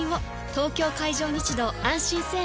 東京海上日動あんしん生命